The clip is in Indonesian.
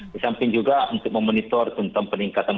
di samping juga untuk memonitor tentang peningkatan